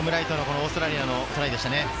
オーストラリアのトライでしたね。